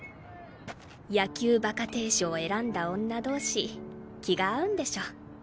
野球バカ亭主を選んだ女同士気が合うんでしょ。